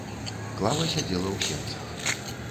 Клава сядзела ў сенцах.